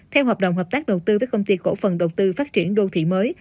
theo hợp đồng hợp tác đầu tư với công ty cổ phần đầu tư phát triển đô thị mới